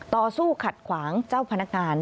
ต่อสู้ขัดขวางเจ้าพนักงาน